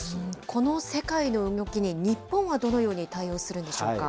この世界の動きに、日本はどのように対応するんでしょうか。